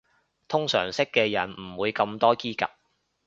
通常識嘅人唔會咁多嘰趷